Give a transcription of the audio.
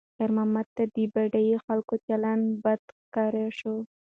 خیر محمد ته د بډایه خلکو چلند بد ښکاره شو.